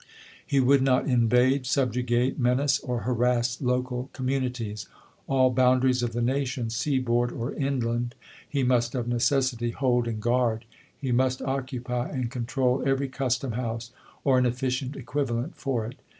He would not invade, subjugate, menace, or harass local communities. All boun daries of the nation, seaboard or inland, he must of necessity hold and guard ; he must occupy and control every custom house or an efficient equiva lent for it.